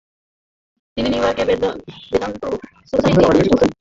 তিনি নিউইয়র্কে বেদান্ত সোসাইটি প্রতিষ্ঠা করেন।